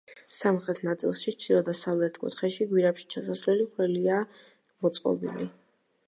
სამხრეთ ნაწილში, ჩრდილო-დასავლეთ კუთხეში, გვირაბში ჩასასვლელი ხვრელია მოწყობილი.